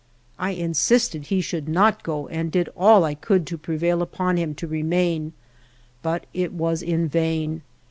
I insisted he should not go and did all I could to prevail upon him to remain, but it was in vain.